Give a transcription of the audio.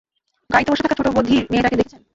গাড়িতে বসে থাকা ছোট্ট বধির মেয়েটাকে দেখেছেন?